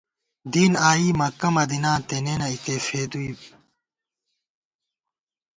دین آئی مکہ مدیناں، تېنېنہ اِتے فېدُوئی